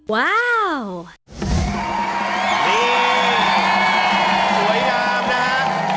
ตรงนี้สวยงาม